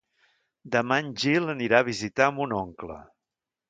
Demà en Gil anirà a visitar mon oncle.